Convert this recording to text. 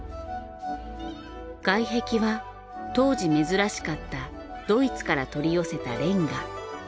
外壁は当時珍しかったドイツから取り寄せたレンガ。